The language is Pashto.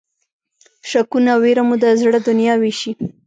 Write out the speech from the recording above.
شکونه او وېره مو د زړه دنیا وېشي.